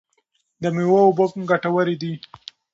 د مېوو اوبه ګټورې دي.